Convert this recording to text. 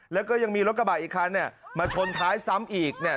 แล้วก็ยังมีรถกระบะอีกคันเนี่ยมาชนท้ายซ้ำอีกเนี่ย